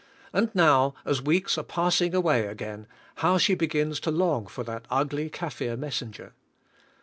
And now as weeks are passing awa}^ again, how she begins to long for that ugly Kafir messenger!